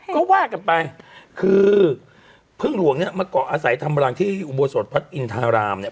ก็ว่ากันไปคือเพลิงหลวงเนี่ยเมื่อกอกอาศัยทำพลังที่อุบวัติโสดพัทย์อินทรรามเนี่ย